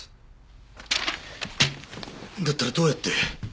だったらどうやって？